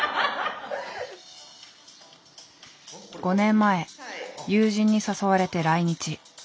５年前友人に誘われて来日。